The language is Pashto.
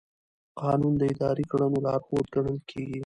قانون د اداري کړنو لارښود ګڼل کېږي.